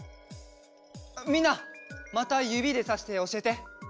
みんなまたゆびでさしておしえて。